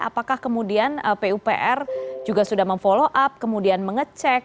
apakah kemudian pupr juga sudah memfollow up kemudian mengecek